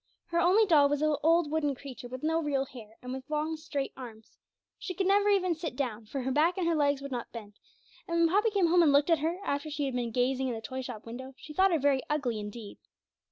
Her only doll was an old wooden creature with no real hair, and with long straight arms; she could never even sit down, for her back and her legs would not bend, and when Poppy came home and looked at her after she had been gazing in the toy shop window she thought her very ugly indeed.